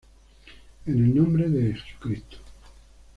En el nombre de Jesucristo.